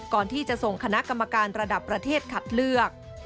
ก่อนที่จะส่งคณะกรรมการระดับประเทศคัดเลือก